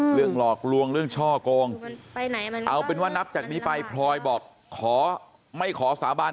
หลอกลวงเรื่องช่อโกงเอาเป็นว่านับจากนี้ไปพลอยบอกขอไม่ขอสาบาน